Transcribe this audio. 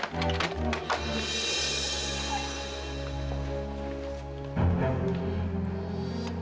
cepetan ya ibu